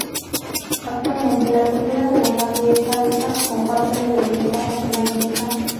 Actualmente, la cultura del agave está vista como parte de la identidad nacional mexicana.